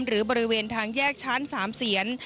หรือบริเวณทางแยกชั้น๓เสียน